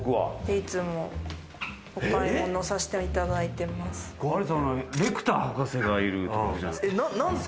お買い物させていただいています。